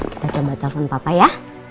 kita coba telepon papa ya